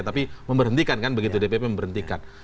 tapi memberhentikan kan begitu dpp memberhentikan